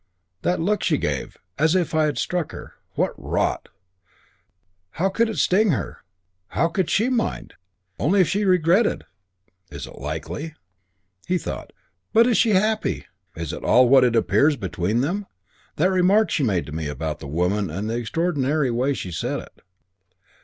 That look she gave! As if I had struck her. What rot! How could it sting her? How could she mind? Only if she regretted. Is it likely?" He thought, "But is she happy? Is it all what it appears between them? That remark she made to that woman and the extraordinary way she said it.